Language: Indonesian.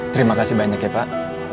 terima kasih banyak ya pak